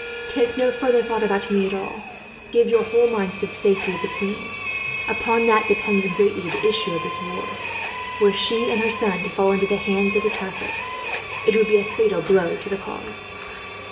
"Take no further thought about me, at all. Give your whole minds to the safety of the queen. Upon that depends greatly the issue of this war. Were she and her son to fall into the hands of the Catholics, it would be a fatal blow to the cause."